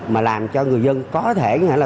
mà làm cho người dân có thể